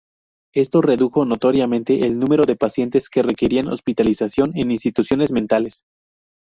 Esto redujo notoriamente el número de pacientes que requerían hospitalización en instituciones mentales.